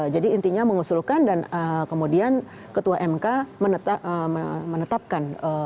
jadi intinya mengusulkan dan kemudian ketua mk menetapkan